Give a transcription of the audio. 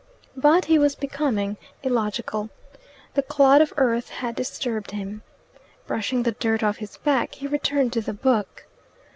But he was becoming illogical. The clod of earth had disturbed him. Brushing the dirt off his back, he returned to the book.